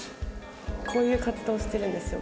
こういう活動をしてるんですよ